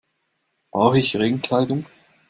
Brauche ich Regenkleidung?